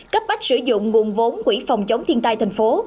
cấp bách sử dụng nguồn vốn quỹ phòng chống thiên tai thành phố